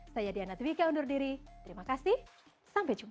saya diana twika undur diri terima kasih sampai jumpa